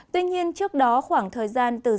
tuy nhiên trước đó khoảng thời gian trước